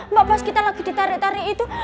mbak pus kita lagi ditarik tarik itu